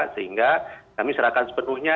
sehingga kami serahkan sepenuhnya